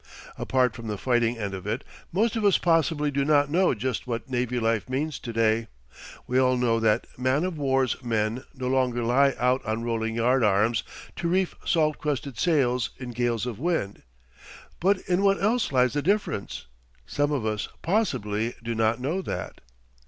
Apart from the fighting end of it, most of us possibly do not know just what navy life means to day. We all know that man of war's men no longer lie out on rolling yard arms to reef salt crusted sails in gales of wind; but in what else lies the difference? Some of us, possibly, do not know that.